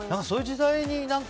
そういう時代に。